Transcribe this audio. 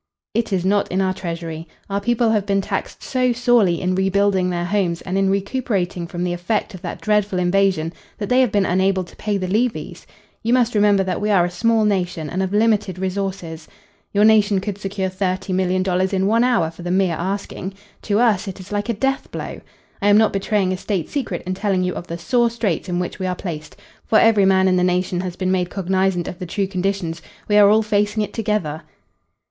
"It is not in our treasury. Our people have been taxed so sorely in rebuilding their homes and in recuperating from the effect of that dreadful invasion that they have been unable to pay the levies. You must remember that we are a small nation and of limited resources. Your nation could secure $30,000,000 in one hour for the mere asking. To us it is like a death blow. I am not betraying a state secret in telling you of the sore straits in which we are placed, for every man in the nation has been made cognizant of the true conditions. We are all facing it together."